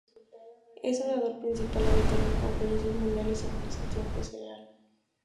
Es orador principal habitual en conferencias mundiales sobre iniciativa empresarial y tecnología.